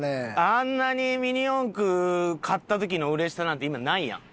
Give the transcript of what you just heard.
あんなにミニ四駆買った時の嬉しさなんて今ないやん。